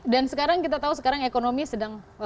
dan sekarang kita tahu sekarang ekonomi sedang volatile ya bu ya